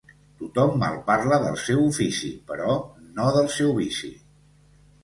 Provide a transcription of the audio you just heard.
Tothom malparla del seu ofici, però no del seu vici.